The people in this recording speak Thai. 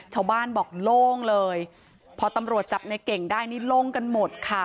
ชาวบ้านบอกโล่งเลยพอตำรวจจับในเก่งได้นี่โล่งกันหมดค่ะ